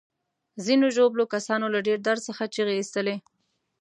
ځینو ژوبلو کسانو له ډیر درد څخه چیغې ایستلې.